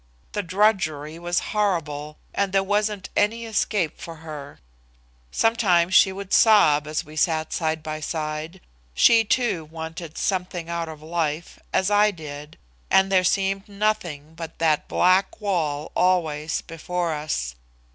The drudgery was horrible, and there wasn't any escape for her. Sometimes she would sob as we sat side by side. She, too, wanted something out of life, as I did, and there seemed nothing but that black wall always before us.